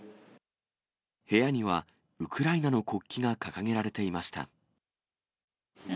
部屋には、ウクライナの国旗が掲げられていました。